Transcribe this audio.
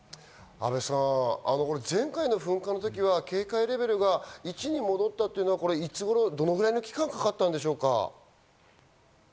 阿部さん、前回の噴火の時は警戒レベルが１に戻ったというのは、いつ頃、どのくらいの期間かかったんでしょうか？